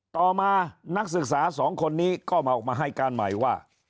ต่อมานักศึกษาสองคนนี้ก็มาออกมาให้การใหม่ว่า